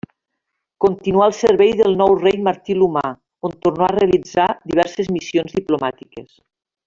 Continuà al servei del nou rei Martí l'Humà, on tornà a realitzar diverses missions diplomàtiques.